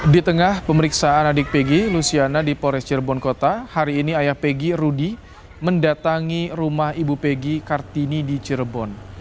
di tengah pemeriksaan adik pegi lusiana di pores cirebon kota hari ini ayah peggy rudy mendatangi rumah ibu pegi kartini di cirebon